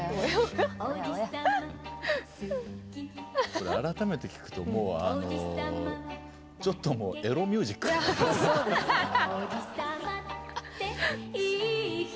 これ改めて聴くともうあのちょっともうエロミュージックだよね。